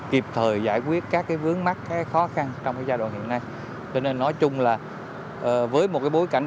kịp thời giải quyết các cái vướng mắt khó khăn trong giai đoạn hiện nay nói chung là với một bối cảnh